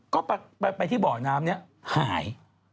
ก็ไปที่บ่อน้ำนี้หาย